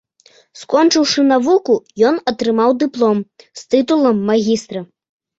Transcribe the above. Скончыўшы навуку, ён атрымаў дыплом з тытулам магістра.